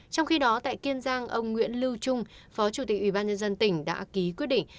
trong khi đó tại kiên giang ông nguyễn lưu trung phó chủ tịch ủy ban nhân dân tỉnh đã ký quyết định